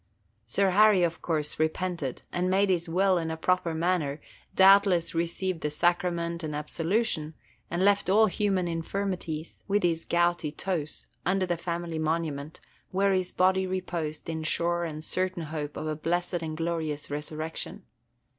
Sir Harry, of course, repented, and made his will in a proper manner, doubtless received the sacrament and absolution, and left all human infirmities, with his gouty toes, under the family monument, where his body reposed in sure and certain hope of a blessed and glorious resurrection.